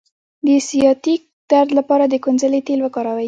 د سیاتیک درد لپاره د کونځلې تېل وکاروئ